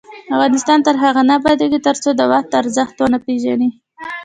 افغانستان تر هغو نه ابادیږي، ترڅو د وخت ارزښت ونه پیژنو.